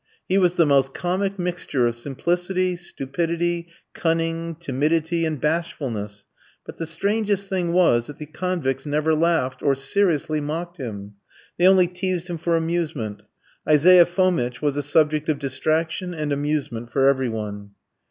He was the most comic mixture of simplicity, stupidity, cunning, timidity, and bashfulness; but the strangest thing was that the convicts never laughed, or seriously mocked him they only teased him for amusement. Isaiah Fomitch was a subject of distraction and amusement for every one.